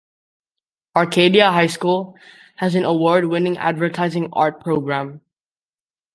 Arcadia High School has an award-winning Advertising Art program.